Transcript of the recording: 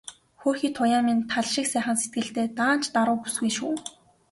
Хөөрхий Туяа минь тал шиг сайхан сэтгэлтэй, даанч даруу бүсгүй шүү.